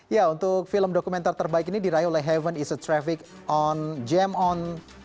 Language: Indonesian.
ya untuk film dokumenter terbaik ini dirayu oleh heaven is a traffic on jam on empat ratus lima